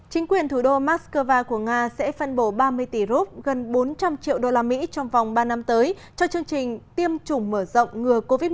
chính quyền thủ đô moscow của nga sẽ phân bổ ba mươi tỷ rút gần bốn trăm linh triệu usd trong vòng ba năm tới cho chương trình tiêm chủng mở rộng ngừa covid một mươi chín